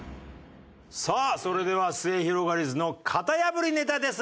さあそれではすゑひろがりずの型破りネタです。